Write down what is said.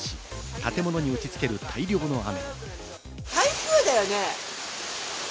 建物に打ち付ける大量の雨。